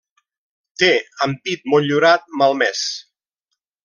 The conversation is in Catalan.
Té ampit motllurat, malmès.